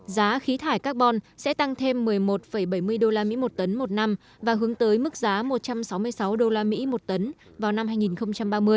giá khí thải carbon sẽ tăng thêm một mươi một bảy mươi usd một tấn một năm và hướng tới mức giá một trăm sáu mươi sáu usd một tấn vào năm hai nghìn ba mươi